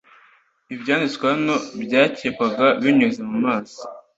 Ibyanditswe hano byakekwaga Binyuze mu maso